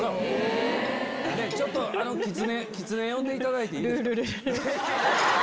キツネ呼んでいただいていいですか？